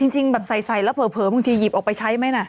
จริงใส่แล้วเผลอบางทีหยิบออกไปใช้มั้ย